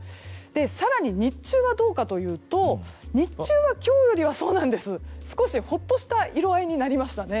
更に、日中はどうかというと日中は今日よりは。少しほっとした色合いになりましたね。